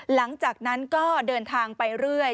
หลังจากนั้นก็เดินทางไปเรื่อย